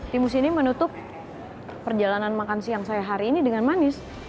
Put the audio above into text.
timus ini menutup perjalanan makan siang saya hari ini dengan manis